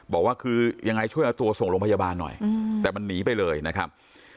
บอกว่าคือยังไงช่วยเอาตัวส่งโรงพยาบาลหน่อยแต่มันหนีไปเลยนะครับ